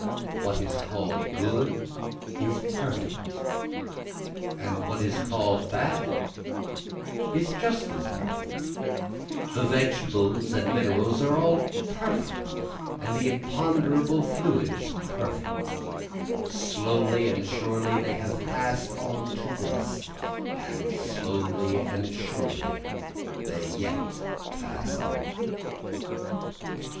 What is called good is perfect, and what is called bad is just as perfect, The vegetables and minerals are all perfect, and the imponderable fluids perfect; Slowly and surely they have pass'd on to this, and slowly and surely they yet pass on.